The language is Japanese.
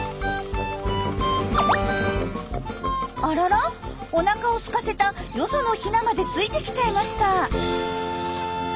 あららおなかをすかせたよそのヒナまでついてきちゃいました。